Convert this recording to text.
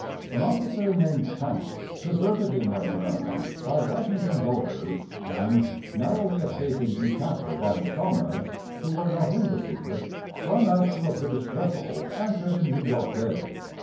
An officer named Campe deserted the American army, by Washington's orders, and narrowly escaping recapture by his comrades, who were not in the secret swam out to a British vessel anchored in New York Bay.